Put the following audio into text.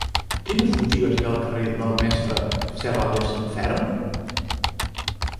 Quines botigues hi ha al carrer del Mestre Serradesanferm?